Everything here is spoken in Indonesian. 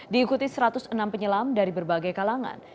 diikuti satu ratus enam penyelam dari berbagai kalangan